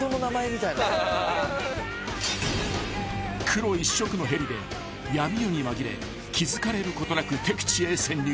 ［黒一色のヘリで闇夜に紛れ気付かれることなく敵地へ潜入］